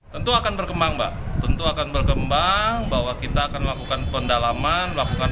tentu akan berkembang mbak tentu akan berkembang bahwa kita akan melakukan pendalaman melakukan